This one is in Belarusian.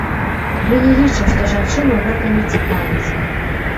Мы не лічым, што жанчыну гэта не цікавіць.